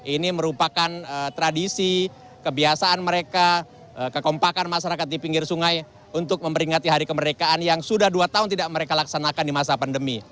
ini merupakan tradisi kebiasaan mereka kekompakan masyarakat di pinggir sungai untuk memperingati hari kemerdekaan yang sudah dua tahun tidak mereka laksanakan di masa pandemi